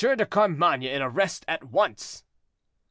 de Carmainges in arrest at once."